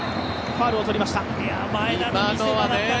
ファウルを取りました。